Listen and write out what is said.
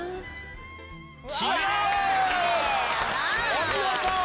お見事！